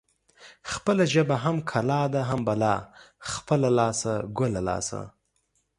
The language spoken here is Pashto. خپله ژبه هم کلا ده هم بلا. خپله لاسه ګله لاسه.